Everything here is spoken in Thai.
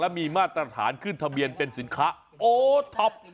มีมาตรฐานขึ้นทะเบียนเป็นสินค้าโอท็อป